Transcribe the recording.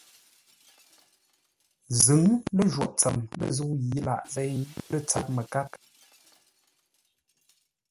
Zʉ̌ŋ ləjwôghʼ tsəm lə̂ zə̂u yi laʼ zěi lə̂ tsâr məkár.